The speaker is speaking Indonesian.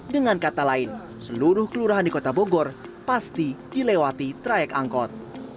dengan kata lain seluruh kelurahan di kota bogor pasti dilewati trayek angkot